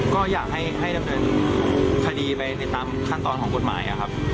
ก็อยากให้ดำเนินคดีไปในตามขั้นตอนของกฎหมายครับ